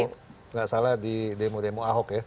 ketemu gak salah di demo demo ahok ya